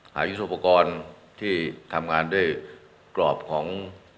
ยุทธโปรกรณ์ที่ทำงานด้วยกรอบของ